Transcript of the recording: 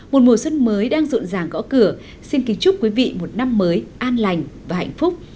một mùa xuân mới đang rộn ràng gõ cửa xin kính chúc quý vị một năm mới an lành và hạnh phúc